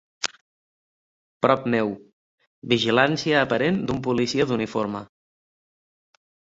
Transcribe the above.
Prop meu, vigilància aparent d'un policia d'uniforme.